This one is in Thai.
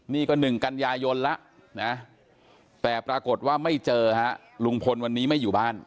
นี่ก็๑กันยายนแล้วนะแต่ปรากฏว่าไม่เจอฮะลุงพลวันนี้ไม่อยู่บ้าน